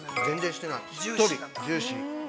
しっとりジューシー。